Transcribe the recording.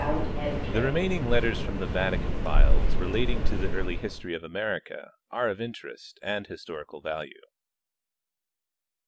The remaining letters from the Vatican files relating to the early history of America, are of interest, and historical value.